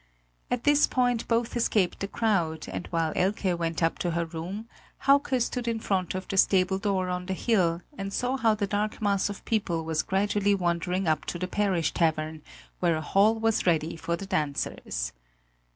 At this point both escaped the crowd, and while Elke went up to her room, Hauke stood in front of the stable door on the hill and saw how the dark mass of people was gradually wandering up to the parish tavern where a hall was ready for the dancers.